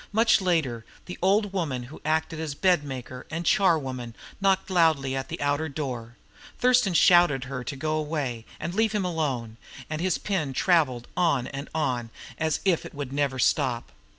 Much later, the old woman who acted as bedmaker and charwoman knocked loudly at the outer door. Thurston shouted to her to go away and leave him alone; and his pen travelled on and on as if it would never stop.